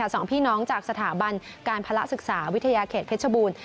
สองพี่น้องจากสถาบันการภาระศึกษาวิทยาเขตเพชรบูรณ์